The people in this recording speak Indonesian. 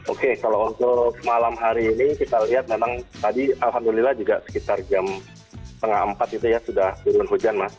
oke kalau untuk malam hari ini kita lihat memang tadi alhamdulillah juga sekitar jam setengah empat itu ya sudah turun hujan mas